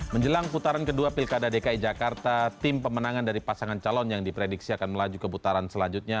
menjelang putaran kedua pilkada dki jakarta tim pemenangan dari pasangan calon yang diprediksi akan melaju ke putaran selanjutnya